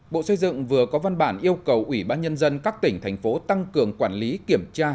bộ xây dựng vừa có văn bản yêu cầu ủy ban nhân dân các tỉnh thành phố tăng cường quản lý kiểm tra